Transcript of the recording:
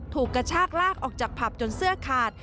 กระชากลากออกจากผับจนเสื้อขาด